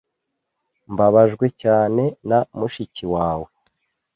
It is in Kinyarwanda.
Mbabajwe cyane na mushiki wawe.